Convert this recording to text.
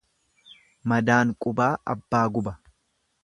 Madaan qubaa abbaa guba.